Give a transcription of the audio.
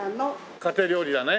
家庭料理だね。